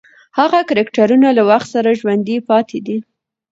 هغې کرکټرونه له وخت سره ژوندۍ پاتې دي.